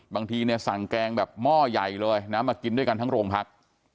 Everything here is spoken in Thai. บางทีเนี่ยสั่งแกงแบบหม้อใหญ่เลยนะมากินด้วยกันทั้งโรงพัก